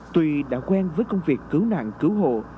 tuy đã quen với công việc cứu nạn cứu hộ